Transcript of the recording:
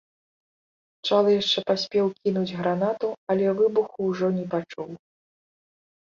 Чалы яшчэ паспеў кінуць гранату, але выбуху ўжо не пачуў.